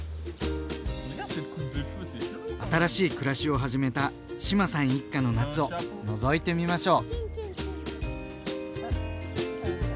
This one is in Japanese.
新しい暮らしを始めた志麻さん一家の夏をのぞいてみましょう。